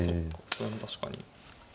それも確かに。